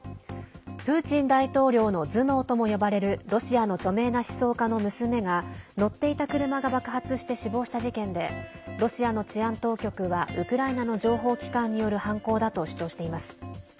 プーチン大統領の頭脳とも呼ばれるロシアの著名な思想家の娘が乗っていた車が爆発して死亡した事件でロシアの治安当局はウクライナの情報機関による犯行だと主張しています。